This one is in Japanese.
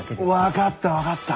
わかったわかった。